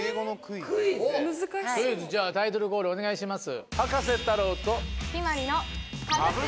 取りあえずじゃあタイトルコールお願いします。